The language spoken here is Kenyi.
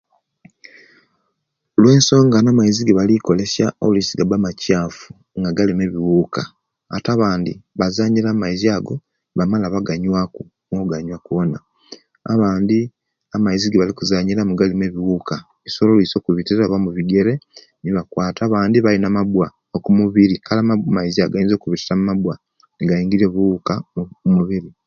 Olwensonga na'maizi gebali okozesia oluisi gabba makyafu nga galimu ebiwuka ate abandi bazanyira mumaizi ago bamala baganyuuwa ku kuganyuwa kwona abandi amaizi egebalikuzanyiramu galimu ebiwuka bisobola oluisi okubitira oba mubigere nebibakwata abandi balina amaabwa okumubiri kale amaabwa amaizi ago gasobola gaingiria obuwuka okumubiri